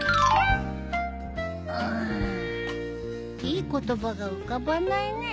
いい言葉が浮かばないね。